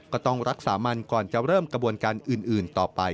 ก็ต้องรักษามันก่อนจะเริ่มกระบวนการอื่นต่อไป